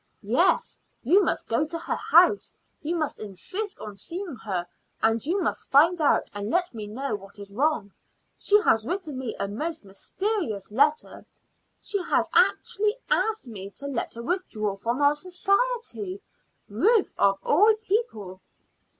"Yes. You must go to her house; you must insist on seeing her, and you must find out and let me know what is wrong. She has written me a most mysterious letter; she has actually asked me to let her withdraw from our society. Ruth, of all people!"